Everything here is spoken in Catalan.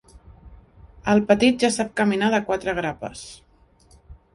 El petit ja sap caminar de quatre grapes.